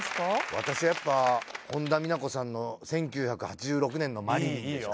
私はやっぱ本田美奈子．さんの『１９８６年のマリリン』でしょ。